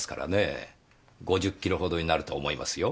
５０キロほどになると思いますよ。